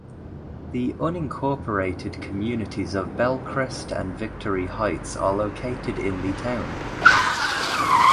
The unincorporated communities of Belcrest and Victory Heights are located in the town.